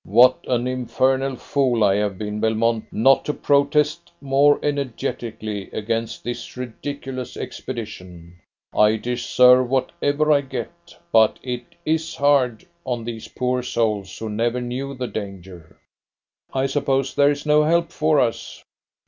"What an infernal fool I have been, Belmont, not to protest more energetically against this ridiculous expedition! I deserve whatever I get, but it is hard on these poor souls who never knew the danger." "I suppose there's no help for us?"